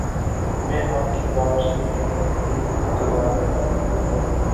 میں آپ کی واپسی تک یہیں انتظار کروں گا